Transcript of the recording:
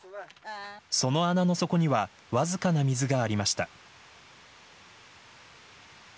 その穴の底にはわずかな水がありました。